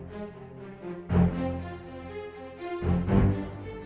kamu terpaksa beri den derecho dengan berat